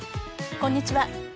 こんにちは。